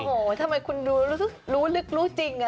โอ้โหทำไมคุณรู้ลึกจริง